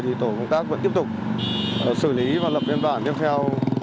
thì tổ công tác vẫn tiếp tục xử lý và lập biên bản tiếp theo